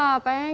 wah pengen sih